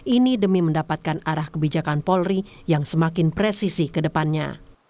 ini demi mendapatkan arah kebijakan polri yang semakin presisi ke depannya